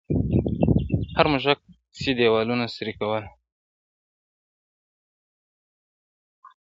هر موږك سي دېوالونه سوري كولاى-